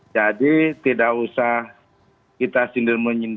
jadi tidak usah kita sindir menyebutnya